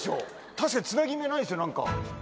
確かにつなぎ目ないですね何か。